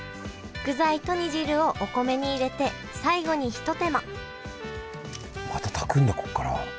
具材と煮汁をお米に入れて最後にひと手間また炊くんだここから。